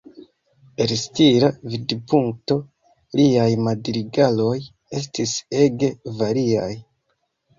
El stila vidpunkto liaj madrigaloj estis ege variaj.